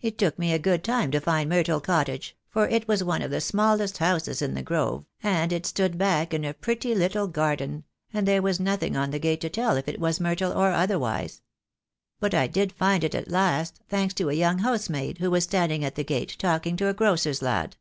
It took me a good time to find Myrtle Cottage, for it was one of the smallest houses in the Grove, and it stood back in a pretty little garden, and there was nothing on the gate to tell if it was Myrtle or otherwise. But I did find it at last, thanks to a young housemaid who was standing at the gate, talking to a grocer's lad.